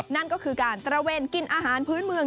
นั่นก็คือการตระเวนกินอาหารพื้นเมือง